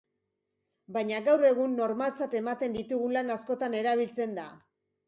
Baina gaur egun normaltzat ematen ditugun lan askotan erabiltzen da.